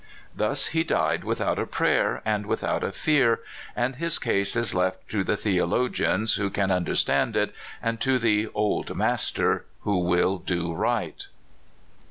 Thus he died without a prayer, and without a fear, and his case is left to the theologians who can understand it, and to the '* Old Master," who will do right.